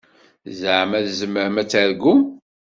Zeɛma tzemrem ad taṛǧum?